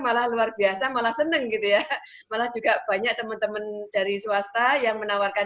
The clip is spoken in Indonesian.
malah luar biasa malah seneng gitu ya malah juga banyak teman teman dari swasta yang menawarkan